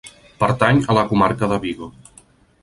Pertany a la Comarca de Vigo.